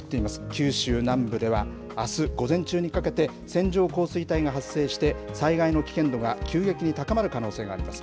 九州南部では、あす午前中にかけて、線状降水帯が発生して、災害の危険度が急激に高まる可能性があります。